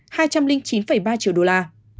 hai trăm linh chín ba triệu đô la